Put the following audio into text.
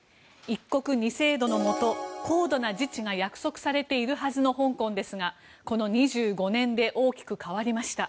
一国二制度のもと、高度な自治が約束されているはずの香港ですが、この２５年で大きく変わりました。